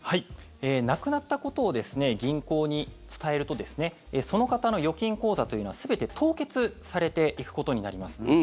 亡くなったことを銀行に伝えるとその方の預金口座というのは全て凍結されていくことになります。